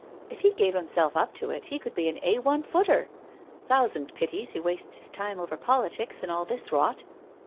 *' If he gave himself up to it he could be an A I footer— thousand pities he wastes his time over politics and all this rot."